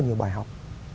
nhiều bài học